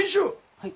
はい。